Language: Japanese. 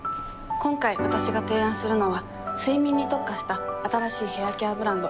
今回わたしが提案するのは睡眠に特化した新しいヘアケアブランド。